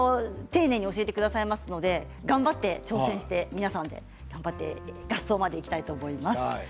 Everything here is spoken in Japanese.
丁寧に教えてくださいますので頑張って挑戦して皆さんも合奏までいきたいと思います。